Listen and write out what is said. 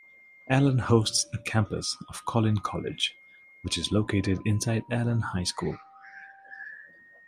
Allen hosts a campus of Collin College, which is located inside Allen High School.